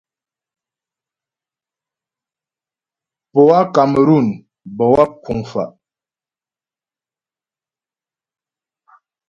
Poâ Kamerun bə́ wáp kuŋ fa'.